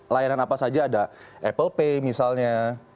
layanan apa saja ada apple pay misalnya